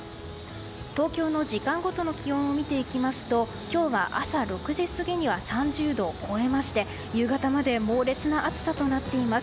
東京の時間ごとの気温を見ていきますと今日は朝６時過ぎには３０度を超えまして夕方まで猛烈な暑さとなっています。